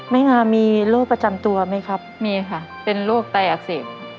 งามีโรคประจำตัวไหมครับมีค่ะเป็นโรคไตอักเสบ